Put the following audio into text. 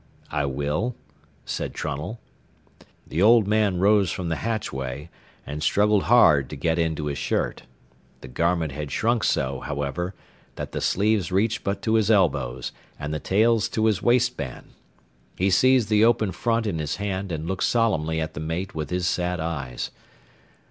"I will," said Trunnell. The old man rose from the hatchway, and struggled hard to get into his shirt. The garment had shrunk so, however, that the sleeves reached but to his elbows and the tails to his waist band. He seized the open front in his hand and looked solemnly at the mate with his sad eyes.